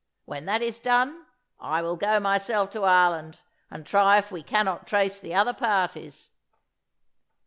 When that is done, I will go myself to Ireland, and try if we cannot trace the other parties."